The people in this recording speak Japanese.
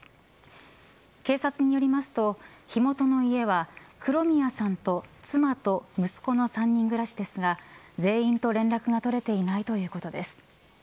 警察によりますと火元の家は、黒宮さんの妻と息子の３人暮らしですが全員と連絡が取れていないということです。